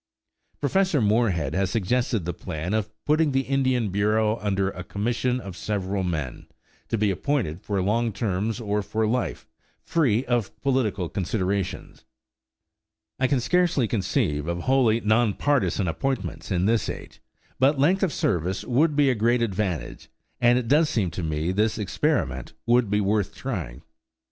Professor Moorehead has suggested the plan of putting the Indian Bureau under a commission of several men, to be appointed for long terms or for life, free of political considerations. I can scarcely conceive of wholly non partisan appointments in this age, but length of service would be a great advantage, and it does seem to me this experiment would be worth trying.